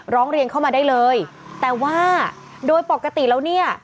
ร้องเรียนเข้ามาได้เลยแต่ว่าโดยปกติแล้วเนี่ย